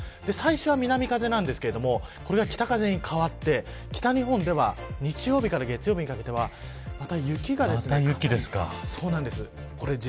最初は南風なんですけどこれが北風に変わって北日本では日曜日か月曜日にかけてはまた雪が、かなり。